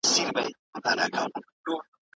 دا هغه کتاب دی چي په کې حقایق لیکل سوي دي.